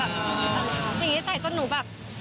อย่างงี้ใส่จนหนูแบบ